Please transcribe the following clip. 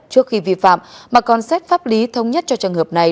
trước khi vi phạm mà còn xét pháp lý thông nhất cho trường hợp này